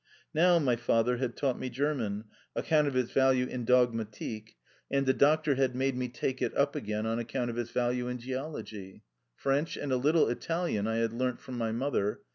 Now, my father had taught me German, on account of its value in "dog 156 THE OUTCAST. matik," and the doctor had made me take it up again on account of its value in geology. French, and a little Italian, I had learnt from my mother.